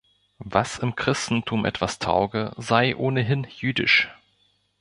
Was im Christentum etwas tauge, sei ohnehin jüdisch.